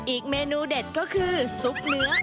อีกเมนูเด็ดก็คือซุปเนื้อ